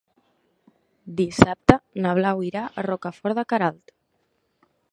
Dissabte na Blau irà a Rocafort de Queralt.